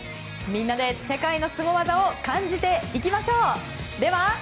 みんなで世界のスゴ技を感じていきましょう。